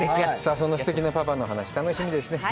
そんなすてきなパパの話、楽しみですね。